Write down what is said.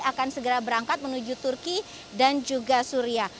akan segera berangkat menuju turki dan juga suria